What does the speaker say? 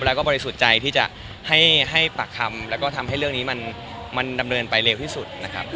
แล้วก็บริสุทธิ์ใจที่จะให้ปากคำแล้วก็ทำให้เรื่องนี้มันดำเนินไปเร็วที่สุดนะครับ